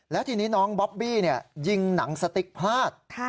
แล้วทีนี้น้องบอบบี้ยิงหนังสติ๊กพลาด